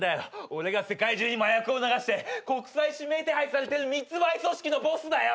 俺が世界中に麻薬を流して国際指名手配されてる密売組織のボスだよ！